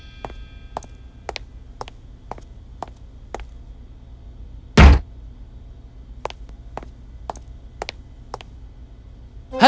tidak ada apa apa